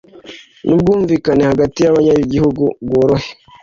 n ubwumvikane hagati y abanyagihugu bworohe